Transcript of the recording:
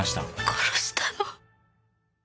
「殺したの？」